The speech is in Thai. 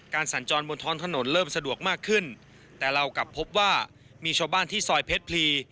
สัญจรบนท้องถนนเริ่มสะดวกมากขึ้นแต่เรากลับพบว่ามีชาวบ้านที่ซอยเพชรพลี